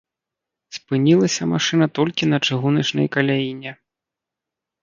Спынілася машына толькі на чыгуначнай каляіне.